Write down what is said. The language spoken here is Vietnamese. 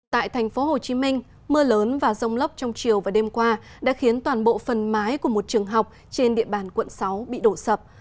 tại thành phố hồ chí minh mưa lớn và rông lóc trong chiều và đêm qua đã khiến toàn bộ phần mái của một trường học trên địa bàn quận sáu bị đổ sập